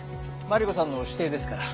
マリコさんの指定ですから。